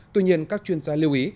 tuy nhiên các chuyên gia lưu ý